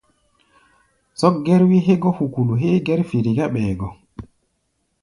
Zɔ́k gɛ́r-wí hégɔ́ hukulu héé gɛ́r firi gá ɓɛɛ gɔ.